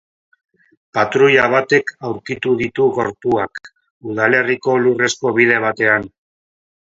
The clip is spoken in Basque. Patruila batek aurkitu ditu gorpuak, udalerriko lurrezko bide batean.